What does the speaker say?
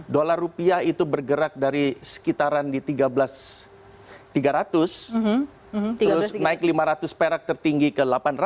dolar rupiah itu bergerak dari sekitaran di tiga belas tiga ratus terus naik lima ratus perak tertinggi ke delapan ratus